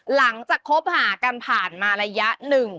หลังจากคบหากันผ่านมาระยะหนึ่ง